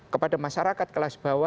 kepada masyarakat kelas bawah